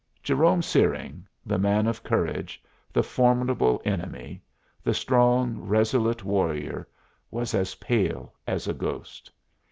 Jerome Searing, the man of courage, the formidable enemy, the strong, resolute warrior, was as pale as a ghost.